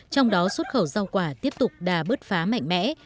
trong đó xuất khẩu rau quả tiếp tục đà bứt phá mạnh mẽ